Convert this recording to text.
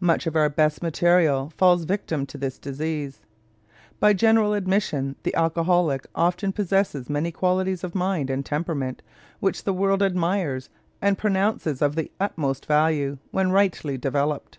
Much of our best material falls victim to this disease. By general admission the alcoholic often possesses many qualities of mind and temperament which the world admires and pronounces of the utmost value when rightly developed.